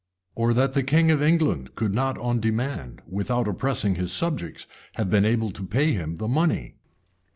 or that the king of England could not on demand, without oppressing his subjects, have been able to pay him the money?